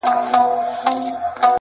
• ژړا هېره خنداګاني سوی ښادي سوه -